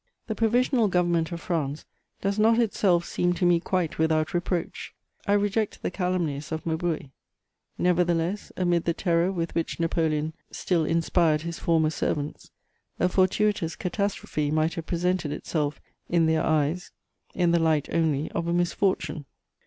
The Provisional Government of France does not itself seem to me quite without reproach: I reject the calumnies of Maubreuil; nevertheless, amid the terror with which Napoleon still inspired his former servants, a fortuitous catastrophe might have presented itself in their eyes in the light only of a misfortune.